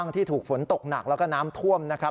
ที่ถูกฝนตกหนักแล้วก็น้ำท่วมนะครับ